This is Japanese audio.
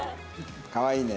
かわいいね。